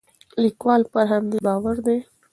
لیکوال پر همدې باور دی.